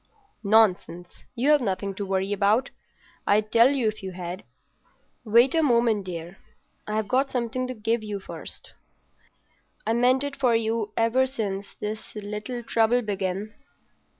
"Nonsense. You've nothing to worry about; I'd tell you if you had. Wait a moment, dear. I've got something to give you first. I meant it for you ever since this little trouble began.